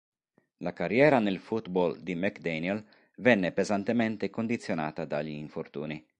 La carriera nel football di McDaniel venne pesantemente condizionata dagli infortuni.